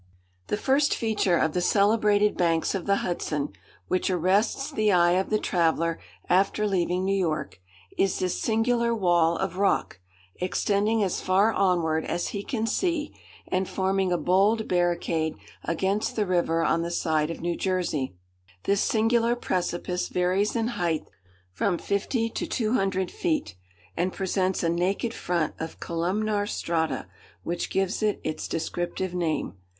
The first feature of the celebrated banks of the Hudson, which arrests the eye of the traveller after leaving New York, is this singular wall of rock, extending as far onward as he can see, and forming a bold barricade against the river on the side of New Jersey. This singular precipice varies in height from fifty to two hundred feet, and presents a naked front of columnar strata, which gives it its descriptive name.